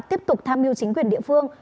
tiếp tục tham mưu chính quyền địa phương